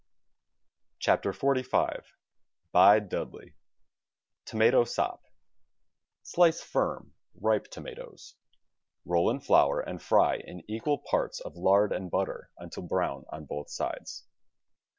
WRITTEN FOR MEN BY MEN XLV Bide Dudley TOMATO SOP Slice firm, ripe tomatoes; roll in flour and fry in equal parts of lard and butter until brown on both sides.